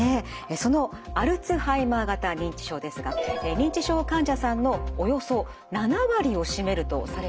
そのアルツハイマー型認知症ですが認知症患者さんのおよそ７割を占めるとされています。